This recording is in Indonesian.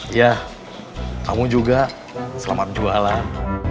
iya kamu juga selamat jualan